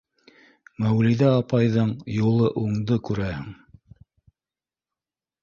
Мәүлиҙә апайҙың юлы уңды, күрәһең.